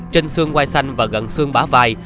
trên xương ngoài xanh và gần xương bả vai